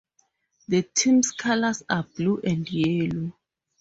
The team's colors are blue and yellow.